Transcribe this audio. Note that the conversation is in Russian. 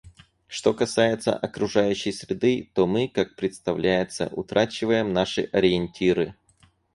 Что касается окружающей среды, то мы, как представляется, утрачиваем наши ориентиры.